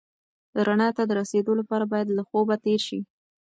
رڼا ته د رسېدو لپاره باید له خوبه تېر شې.